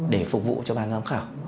để phục vụ cho bàn giám khảo